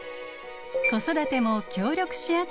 子育ても協力し合って行い